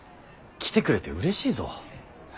来てくれてうれしいぞ。